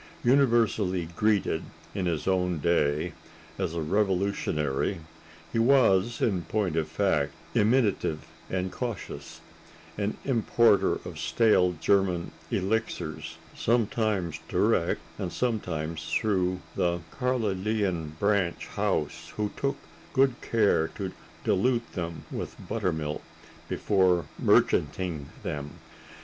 Universally greeted, in his own day, as a revolutionary, he was, in point of fact, imitative and cautious—an importer of stale German elixirs, sometimes direct and sometimes through the Carlylean branch house, who took good care to dilute them with buttermilk before merchanting them.